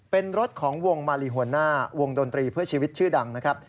เป็นรถของวงมาลีหัวหน้าวงดนตรีเพื่อชีวิตชื่อดังนะครับ